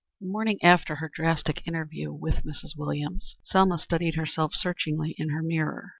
The morning after her drastic interview with Mrs. Williams, Selma studied herself searchingly in her mirror.